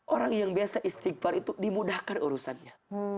orang yang biasa istighfar itu dimudahkan urusannya